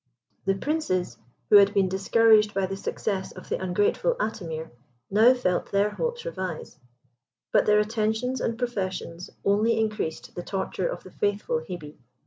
The Princes who had been discouraged by the success of the ungrateful Atimir now felt their hopes revive; but their attentions and professions only increased the torture of the faithful Hebe.